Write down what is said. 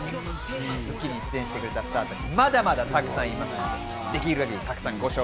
『スッキリ』に登場してくれたスターたち、まだまだございます。